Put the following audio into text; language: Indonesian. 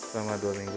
selama dua minggu